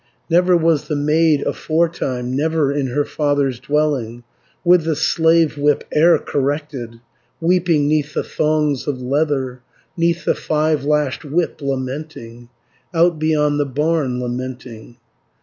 Never was the maid aforetime, Never in her father's dwelling, With the slave whip e'er corrected, Weeping 'neath the thongs of leather, 'Neath the five lashed whip lamenting, Out beyond the barn lamenting.